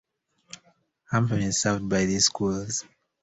Hampton is served by these schools.